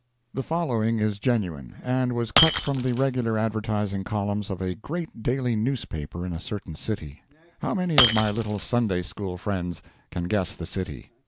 The following is genuine, and was cut from the regular advertising columns of a great daily newspaper in a certain city. How many of my little Sunday school friends can guess the city?